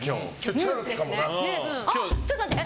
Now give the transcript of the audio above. ちょっと待って！